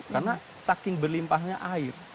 karena saking berlimpahnya air